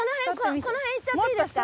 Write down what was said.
この辺いっちゃっていいですか？